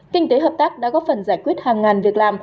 kinh tế hợp tác đã góp phần giải quyết hàng ngàn việc làm